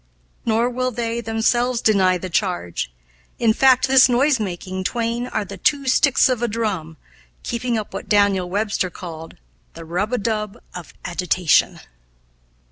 Nor will they, themselves deny the charge. In fact this noise making twain are the two sticks of a drum, keeping up what Daniel Webster called 'The rub a dub of agitation.'"